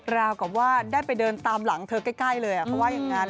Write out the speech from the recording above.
ราวกับว่าได้ไปเดินตามหลังเธอใกล้เลยเขาว่าอย่างนั้น